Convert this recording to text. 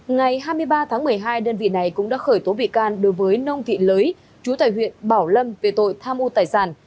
ngày hai mươi ba tháng một mươi hai đơn vị này cũng đã khởi tố bị can đối với nông thị lưới chú tại huyện bảo lâm về tội tham ô tài sản